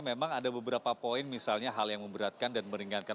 memang ada beberapa poin misalnya hal yang memberatkan dan meringankan